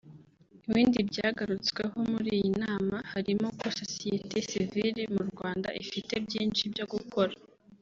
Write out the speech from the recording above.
Ibindi byagarutsweho muri iyi nama harimo ko sosiyete sivile mu Rwanda ifite byinshi byo gukora